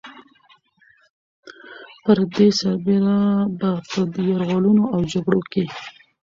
پر دې سربېره به په يرغلونو او جګړو کې